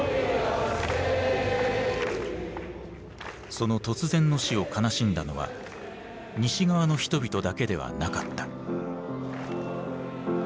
その突然の死を悲しんだのは西側の人々だけではなかった。